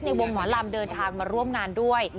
ในวงหมอลำเดินทางมาร่วมงานด้วย